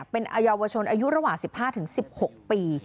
เป็นอโยชนธ์อายุระหว่า๑๕๑๖ปี